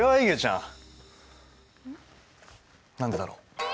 ん？何でだろう？